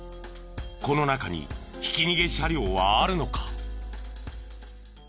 この中にひき逃げ車両はあるのか？